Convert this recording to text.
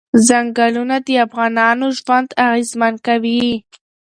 ځنګلونه د افغانانو ژوند اغېزمن کوي.